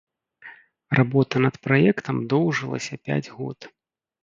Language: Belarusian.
Работа над праектам доўжылася пяць год.